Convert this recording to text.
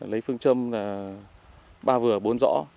lấy phương châm là ba vừa bốn rõ